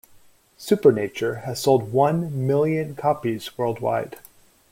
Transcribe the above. "Supernature" has sold one million copies worldwide.